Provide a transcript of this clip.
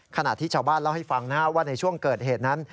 ขณะที่ชาวบ้านเล่าให้ฟังว่าในช่วงเกิดเหตุนั้น